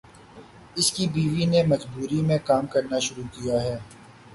اس کی بیوی نے مجبوری میں کام کرنا شروع کیا ہے۔